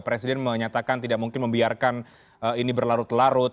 presiden menyatakan tidak mungkin membiarkan ini berlarut larut